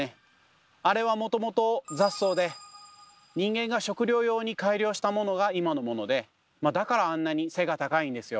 あれはもともと雑草で人間が食料用に改良したものが今のものでだからあんなに背が高いんですよ。